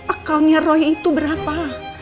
akaunnya roy itu berapa